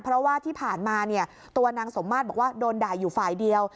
เพราะว่าที่ผ่านมาเนี่ยตัวนางสมมาตรบอกว่าโดนด่าอยู่ฝ่ายเดียว